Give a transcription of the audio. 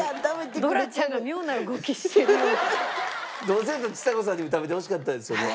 どうせならちさ子さんにも食べてほしかったですよね。